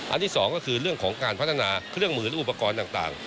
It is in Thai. ที่สองก็คือเรื่องของการพัฒนาเครื่องมือและอุปกรณ์ต่าง